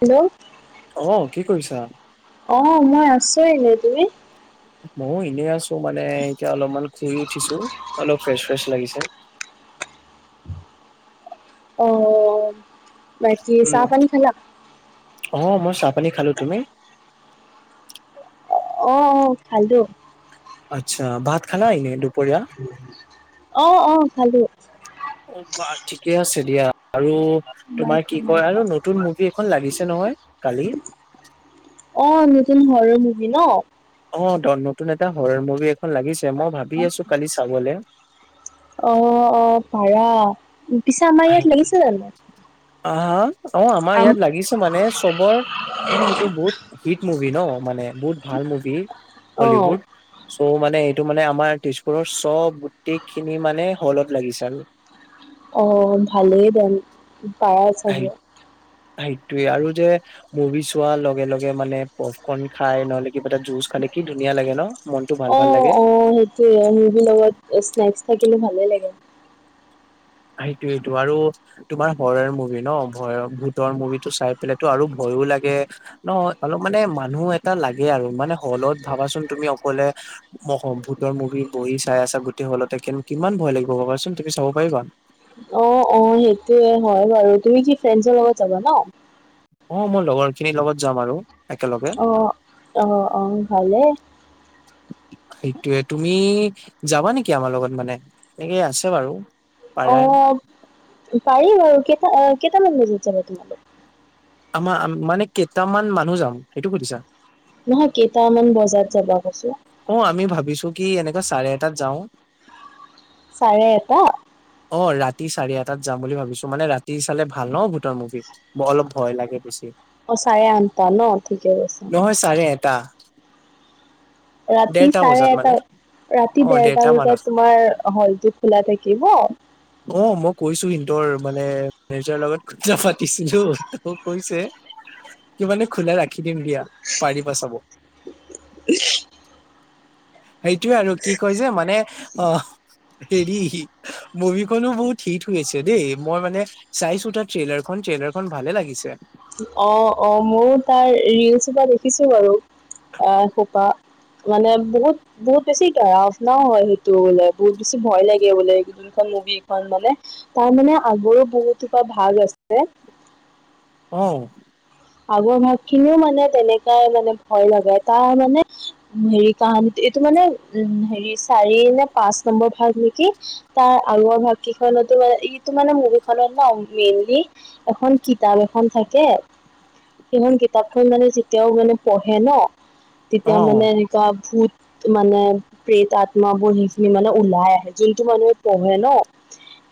Hello. অ', কি কৰিছা? অ', মই আছো এনেই, তুমি? ময়ো এনেই আছোঁ মানে, এতিয়া অলপমান শুই উঠিছোঁ, অলপ ফ্ৰেচ ফ্ৰেচ লাগিছে। অ', বাকি উম চাহপানী খালা? অ', মই চাহপানী খালো, তুমি? অ', অ', খালোঁ। আচ্ছা, ভাত খালা এনে দুপৰীয়া? অ', অ', খালোঁ। অ', বাৰু ঠিকে আছে দিয়া, আৰু মাই তোমাৰ গড, কি মাই কয় আৰু গড। নতুন মভি এখন লাগিছে নহয় কালি। অ', নতুন ঘৰৰ মুভি ন'। অ', নতুন এটা হৰৰ মুভি এখন লাগিছে, মই ভাবি আছোঁ, কালি চাবলৈ। অ', অ', পাৰা। পিছে আমাৰ ইয়াত লাগিছে জানোঁ? আহা অ', আমাৰ ইয়াত লাগিছে মানে চবৰ, মানে এইটো বহুত হিট মুভি ন' মানে বহুত ভাল মুভি, অ হলিউড। চ' মানে এইটো মানে আমাৰ তেজপুৰৰ চব গোটেই খিনি মানে হলত লাগিছে আৰু। অ', ভালেই পাৰা চাব। সেইটোৱেই আৰু যে মুভি চোৱাৰ লগে লগে মানে পফকৰ্ন খাই, নহ'লে কিবা এটা জুচ খালে কি ধুনীয়া লাগে ন'। মনটো ভাল ভাল লাগে অ', অ', সেইটোয়ে, মুভি লগত স্নেক থাকিলে ভালে লাগে। সেইটোয়েইটো আৰু তোমাৰ ভয়ৰ মুভি ন, ভয় ভূতৰ মুভিটো চাই পেলাইটো আৰু ভয়ো লাগে। ন' অলপ মানে মানুহ এটা লাগে আৰু মানে হ'লত ভাবাচোন তুমি অকলে ভূতৰ মুভি বহি চাই আছাঁ গোটেই হলতে, কিন্তু কিমান ভয় লাগিব ভাবাচোন, তুমি চাব পাৰিবা? অ', অ', সেইটোয়ে হয় বাৰু, তুমি কি ফ্ৰেঞ্চ লগত যাবা ন'? অ', মই লগৰ খিনিৰ লগত যাম আৰু। একেলগে অ', অ', অ', ভালেই। সেইটোয়ে, তুমি যাবা নেকি আমাৰ লগত মানে? এনেকেই আছে বাৰু। পাৰা অ', পাৰি বাৰু, কেইটা কেইটামান বজাত যাবা তোমালোক? আমাৰ মানে, কেইটামান মানুহ যাম সেইটো সুধিছা? নহয়, কেইটামান বজাত যাবা কৈছোঁ। অ', আমি ভাবিছোঁ কি, এনেকা চাৰে এটাত যাওঁ। চাৰে এটা। অ', ৰাতি চাৰি এটাত যাম বুলি ভাবিছোঁ, মানে ৰাতি চালে ভাল 'ন ভূটৰ মুভি। অলপ ভয় লাগে বেছি। অ', চাৰে আঠটা ন' ঠিকে কৈছাঁ। তাৰে এটা। ৰাতি দেৰটা চাৰে বজাত মানে এটা? ৰাতি অ দেৰটা মানত বজাত তোমাৰ হলতটো খোলা থাকিব? অ', মই কৈছো সিহতৰ মানে মেজাৰ লগত পাতিছিলো তকৌ কৈছে কি মানে খোলা ৰাখ ৰাখি দিম দিয়া পাৰিবা চাব। [unintelligible] সেইটোয়ে আৰু কি কয় যে মানে অ'। হেৰি মুভিখনো বহুত হিট হৈ আছে দেই মই মানে। চাইচো তাৰ ট্ৰেইলাৰ খন ট্ৰেইলাৰ খন ভালে লাগিছে। অ', অ'মইয়ো তাৰ ৰিলচ পৰা দেখিছো বাৰু আহ খোপা। মানে বহুত, বহুত বেছি গও ননাও হয় সেইটো বোলে বহুত বেছি ভয় লাগে বোলে। মুভিখন মানে তাৰ মানে আগৰো বহুতোপা ভাল আছে। অ'। আগৰ ভাগ খিনিও মানে তেনেকাই মানে ভয় লগাই তাৰ মানে। হেৰি কাহানীটো এইটো মানে উ হেৰি চাৰি নে পাঁচ নম্বৰ ভাগ নেকি। তাৰ আগৰ ভাগ কেইখনতো মানে ইটো মানে মুভিখনত ন মেইনলি। এখন কিতাপ এখন থাকে। সেইখন কিতাপখন মানে যেতিয়াও মানে পঢ়ে ন তেতিয়া মানে অ এনেকুৱা ভূত মানে প্ৰেত আত্মাাবোৰ সেইখিনি মানে ওলাই আহে যোনটো মানুহে পঢ়ে ন।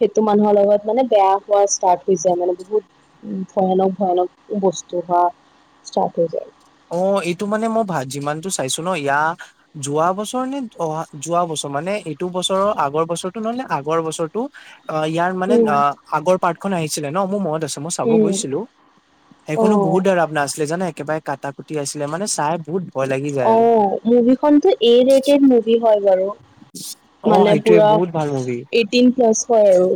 সেইটো মানুহৰ লগত মানে বেয়া হোৱা ষ্টাৰ্ট হৈ যায় মানে বহুত। উম, ভয়ানক, ভয়ানক বস্তু বা ষ্টাৰ্ট হৈ যায়। অ', এইটো মানে মই ভাত যিমানতটো চাইছো ন ইয়া। যোৱা বছৰ নে অহা যোৱা বছৰ মানে এইটো বছৰৰ আগৰ বছৰো নহয় নে আগৰ বছৰ। অ', ইয়াৰ মানে উম অ', আগৰ পাটৰ্খন আহিছিলে ন মোৰ মনত আছে। মই চাব উম গৈছিলো অ সেইখনো বহুত দৰ আপ ননা আছিলে জানা একেবাৰে। কটা কুটি আছিলে মানে চাই বহুত ভয় লাগি যায় আৰু অ', মুভিখনতো এ লেটেড মুভি হয় বাৰু। অ মানে সেইটোয়ে পুৰা বহুত ভাল মুভি এইটিন প্লাছ হয় আৰু।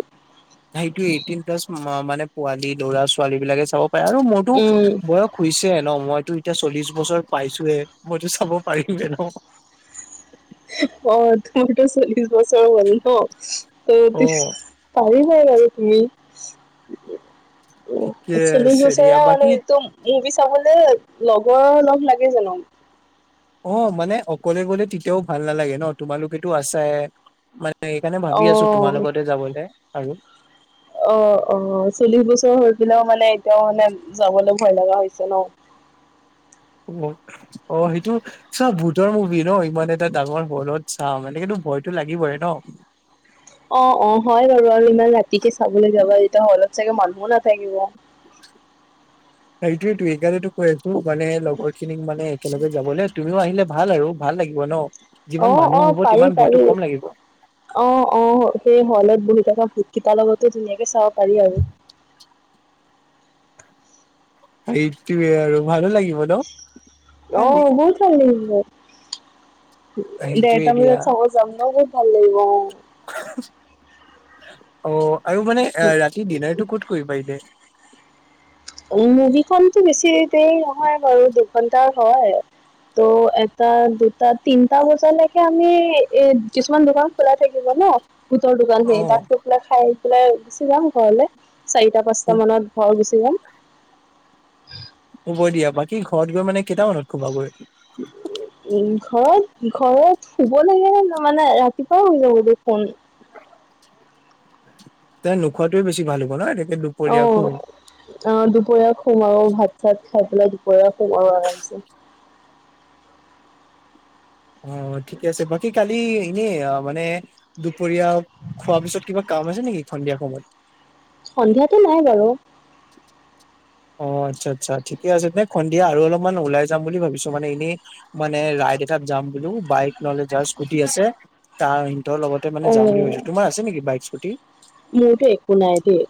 সেইটো এইটিন প্লাছ মানে পোৱালী ল'ৰা ছোৱালী বিলাকে চাব পাৰে আৰু মোৰতো উম বয়স। শুইছে ন মইতো এতিয়া চল্লিশ বছৰ পাইছোয়ে মইতো চাব পাৰিমে ন। অ', তোৰতো চল্লিশ বছৰ হ'ল ন অ ত পাৰিবই বাৰু তুমি। ঠিকে চল্লিশ আছে দিয়া বছৰৰ হ'লে বাকী টো মভিয়ে চাবলৈ লগৰ লগ লাগে জানো? অ', মানে অকলে গলে তেতিয়াও ভাল নালাগে ন তোমালোকেতটো আছছে মানে। সেইকাৰণে ভাবি আছো তোমাৰ অ লগতে যাবলৈ আৰু। অ', অ'চল্লিশ বছৰ হৈ পেলাইও মানে এতিয়াও মানে যাবলৈ ভয় লগা হৈছে ন? উম, অ', সেইটো। চোৱা ভূতৰ মুভি ন ইমান এটা ডাঙৰ হলত চা মানে কিন্তু ভয়তটো লাগিবই ন। অ', অ'হয় বাৰু আৰু ইমান ৰাতিকে চাবলৈ যাবা তেতিয়া হয় অলপ চাগে মানুহো নাথাকিব। সেইটোয়েতো এইকাৰণো কৈ আছো মানে লগৰ খিনিক মানে একেলগে যাবলৈ তুমিও আহিলে ভাল আৰু ভাল লাগিব ন। যিমান অ', মানুহ অ', হ'ব পাৰি তিমান ভয়তো পাৰি। কম লাগিব। অ', অ'সেই হলত বহি থকাকা ভূত কেইটাৰ লগতো ধুনীয়াকে চাব পাৰি আৰু। সেইটোৱে আৰু ভালো লাগিব ন। কালি অ', বহুত ভাল লাগিব। সেইটোয়ে দেৰটা দিয়া বজাত চাব যাম ন বহুত ভাল লাগিব অ'। অ', আৰু মানে ৰাতি ডিনাৰ টো ক'ত কৰিব পা এ দে। মুভিখনতো বেছি নহয় বাৰু। ঘণ্টা হয় ত' এটা দুটা তিনটা বজালৈকে আমি এ। কিছুমান দোকান খোলা থাকিব ন বুটৰ দোকান অ সেই তাত গৈ পেলাই খাই পেলাই গুচি যাম ঘৰলে। চাৰিটা, পাঁচটা হু- মানত ভৰ গুচি যাম। হ'ব দিয়া বাকী ঘৰত গৈ মানে কেইটামানত কোবাগৈ? উ, ঘৰত, ঘৰত শুব লাগে মানে ৰাতিপুৱা শ যাব। [inaudible] তে নোখোৱাটোৱে বেছি ভাল হ'ব ন এনেকে। অ'। অ, দুপৰীয়া সোমাও ভাত চাত খাই পেলাই দুপৰাৰ সোমাও আৰামচে অ, ঠিকে আছে বাকী কালি এনে মানে দুপৰীয়া খোৱাৰ পিছত কিবা কাম আছে নেকি সন্ধিয়া সময়ত সন্ধিয়াতো নাই বাৰু। [inaudible] অ, আচ্ছা, আচ্ছা ঠিকে আছে দে সন্ধিয়া আৰু অলপমান ওলাই যাম বুলি ভাবিছো মানে এনেই মানে ৰাইড এটাত যাম বুলি বাইক ন'হলে যাৰ স্কুটি আছে তাৰ সিহঁতৰ লগতে মানে অ যাম বুলি ভাবিছো তোমাৰ আছে নেকি বাইক, স্কুটি মোৰটো একো নাই দেই।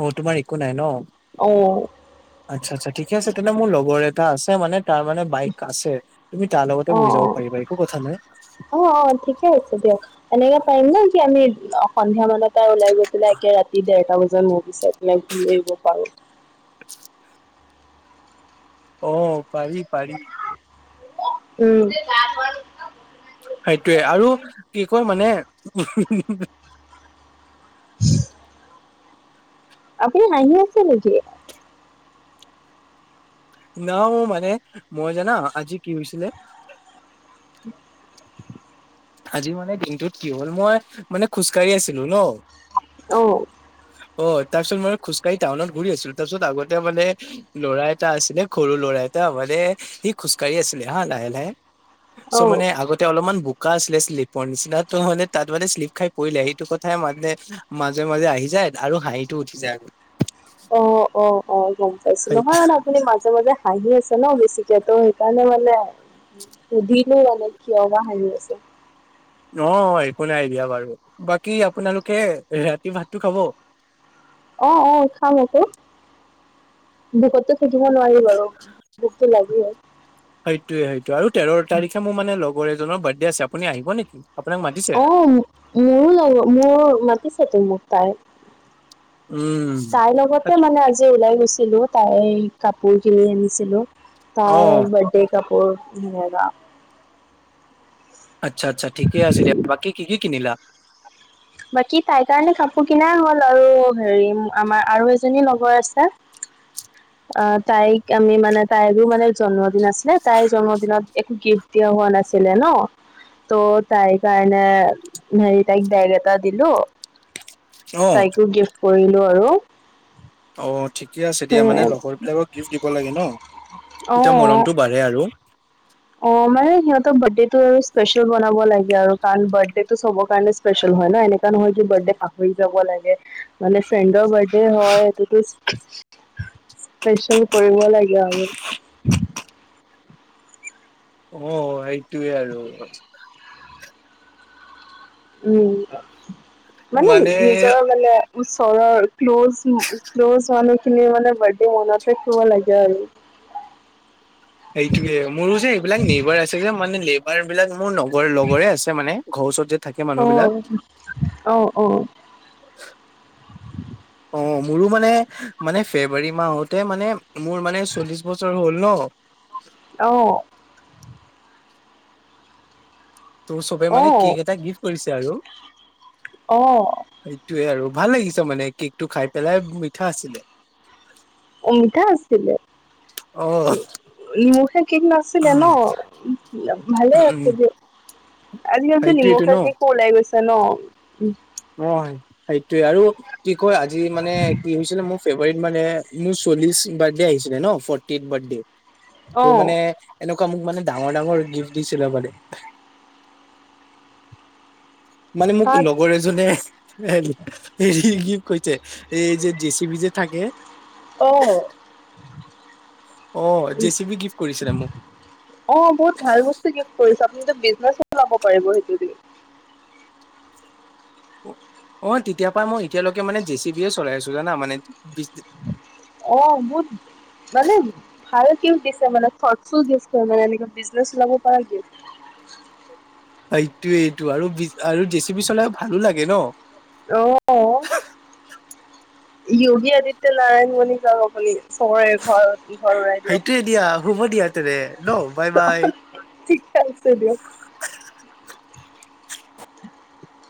অ, তোমাৰ একো নাই ন। অ'। আচ্ছা, আচ্ছা ঠিকে আছে তেনে মোৰ লগৰ এটা আছে মানে তাৰ মানে বাইক আছে তুমি তাৰ লগতে অ বহি যাব অ পাৰিবা একো কথা নাই। অ', অ', ঠিকে আছে দিয়া তেনেকে পাৰিম ন কি আমি সন্ধিয়া মানত টা ওলাই গৈ পেলাই একে ৰাতি দেৰটা বজাত মই বিচাই পেলাই ঘূৰি আহিব পাৰো। [inaudible] অ, পাৰি, পাৰি উম। সেইটোয়ে আৰু কি কয় মানে আপুনি হাঁহি আছে নেকি। না মানে মই জানা আজি কি হৈছিলে উ [inaudible] আজি মানে দিনটোত কি হ'ল মই মানে খোজকাঢ়ি আছিলো ন। অ'। অ, তাৰপিছত মই খোজকাঢ়ি টাউনত ঘূৰি আছিলো তাৰপিছত আগতে মানে ল'ৰা এটা আছিল। নে সৰু ল'ৰা এটা মানে সি খোজ-কাঢ়ি আছিল হা লাহে, লাহে। অ চ' মানে আগতে অলপমান বু বোকা আছিলে শ্লিপৰ নিচিনা মানে তাত মানে শ্লিপ খাই পৰিলে সেইটো কথাই মানে মাজে, মাজে আহি যায় আৰু হাঁহিটো উঠি যায়। অ', অ', অ', গম পাইছো নহয়। মাজে, মাজে হাঁহি আছে ন বেছিকে তো সেইকাৰণে মানে সুধিলোও আন কিয়বা হাহি আছে। অ, একো নাই দিয়া বাৰু বাকী আপোনালোকে ৰাতি ভাতটো খাব। অ', অ', খাম আকৌ। ভুকতো থাকিব নোৱাৰি বাৰু ভুকতটো লাগি সেইটো, সেইটো আৰু তেৰ তাৰিখে মোৰ মানে লগৰ এজনৰ বাৰ্থডে আছে আপুনি আহিব নেকি? আপোনাক মাতিছে অ, মোৰো লগত মোৰ মাতিছে তো মোক তাই উম তাইৰ লগতে আচ্ছা, মানে আজি ওলাই গৈছিলো। তাই কাপোৰ কিনি আনিছিলোঁ অ তাইৰ বাৰ্থডে কাপোৰ আচ্ছা, আচ্ছা ঠিকে আছে দিয় বাকী কি, কি কিনিলা? বাকী তাই কাৰণে কাপোৰ কিনাই হ'ল আৰু হেৰি আমাৰ আৰু এজনী লগৰ আছে। অ, তাইক আমি মানে তাইকো মানে জন্মদিন আছে। নে তাইৰ জন্মদিনত একো গিফ্ট দিয়া হোৱা নাছিলে ন ত' তাই কাৰণে হেৰি তাইক বেগ এটা এটা দিলো অ তাইকো গিফ্ট কৰিলো আৰু অ' ঠিকে আছে দিয়া মানে সেয়ে লগৰবিলাকক গিফ্ট দিব লাগে ন তেতিয়া অ মৰমটো বাঢ়ে আৰু অ' মানে সিহঁতৰ বাৰ্থডেটো আৰু স্পেচিয়েল বনাব লাগে আৰু কাৰণ বাৰ্থডেটো চব কাৰণে স্পেচিয়েল হয় ন এনেকা নহয় বাৰ্থডে পাহৰি যাব লাগে মানে ফ্ৰেণ্ডৰ বাৰ্থডে হয়, এইটোতো স্পেচিয়াল কৰিব লাগে আৰু, অ সেইটোৱে আৰু উম মানে নিজৰ মানে ওচৰৰ ক্ল'জ ক্ল'জ মানুহখিনি মানে বাৰ্থডে মনত ৰাখিব লাগে আৰু সেইটোয়ে মোৰো যে এইবিলাক নেবাৰ আছে যে মানে নেইবাৰ বিলাক মোৰ লগৰ লগৰে আছে মানে ঘৰ ওচৰতে যে থাকে অ মানুহ বিলাক অ অ অ মোৰো মানে মানে ফেব্ৰুৱাৰী মাহতে মানে মোৰ মানে চল্লিশ বছৰ হ'ল ন, আহ তোৰ চবে অ মানে কে'ক এটা গিফ্ট কৰিছে আৰু অ সেইটোয়ে আৰু ভাল লাগিছ মানে কে'কটো খায় পেলাই মিঠা আছিলে। অমিতা আছিলে। অ মোৰহে কে'ক নাছিলে ন, ভালে উম আছিলে আজিকালিতো সেইটোয়েটো নিমখ ন ৰাখি কল আহি গৈছা ন অ সেইটোৱে আৰু কি কয় আজি মানে কি হৈছিলে মোৰ ফেবুৱাৰিত মানে মোৰ চল্লিশ বাৰ্থডে আহিছিলে ন ফৰ্টি এইট বাৰ্থডে। অ ত' মানে এনেকুৱা মোক মানে ডাঙৰ ডাঙৰ গিফ্ট দিছিলে মানে মানে মোক তাত লগৰে যোনে হেৰি কি কৈছে এই যে জে চি বি যে থাকে জে চি বি গিফ্ট কৰিছিলে মোক অ অ বহুত ভাল বস্তু গিফ্ট কৰিছ আপুনিটো বিজনেচত ওলাব পাৰিব সেইটো দি। অ তেতিয়াৰ পৰা মই এতিয়ালৈকে মানে জে চি বিয়ে চলাই আছো জানা মানে অ মত মানে ভাল গিফ্ট দিছে মানে স্বচ্ছ গিফটছ গিফ্ট এনেকৈ বিজনে ওলাব পৰা গিফ্ট এইটোয়েই এইটো আৰু আৰু জে চি বি চলাইও ভাল লাগে ন। অ যোগী আদিত্য নাৰায়ণ বুলি জনো কালি ফৰ এভাৰ সেইটোয়ে দিয়া শুব দিয়া তেনে ন বাই বাই ঠিকে আছে দিয়ক